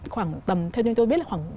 khoảng tầm theo chúng tôi biết là khoảng